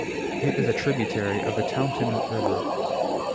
It is a tributary of the Taunton River.